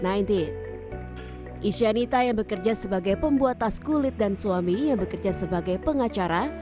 isyanita yang bekerja sebagai pembuat tas kulit dan suami yang bekerja sebagai pengacara